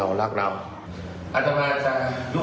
การเงินมันมีฝ่ายฮะ